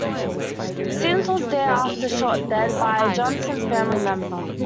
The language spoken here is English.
Sims was thereafter shot dead by a Johnson family member.